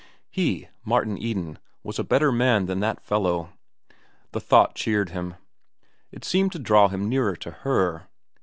He, Martin Eden, was a better man than that fellow. The thought cheered him. It seemed to draw him nearer to Her.